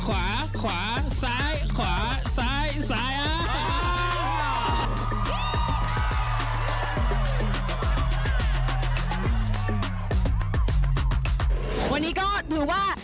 วันนี้ก็ถือว่า